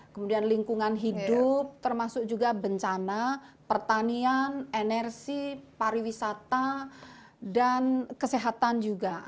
kemudian lingkungan hidup termasuk juga bencana pertanian energi pariwisata dan kesehatan juga